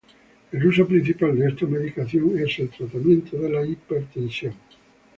El uso principal de esta medicación es el tratamiento de la hipertensión.